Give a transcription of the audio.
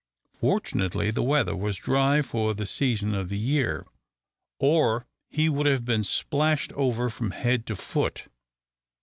Fortunately the weather was dry for the season of the year, or he would have been splashed over from head to foot.